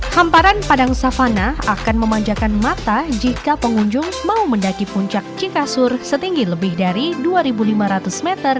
hamparan padang savana akan memanjakan mata jika pengunjung mau mendaki puncak cikasur setinggi lebih dari dua lima ratus meter